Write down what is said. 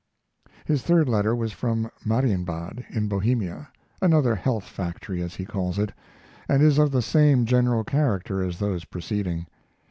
His third letter was from Marienbad, in Bohemia, another "health factory," as he calls it, and is of the same general character as those preceding.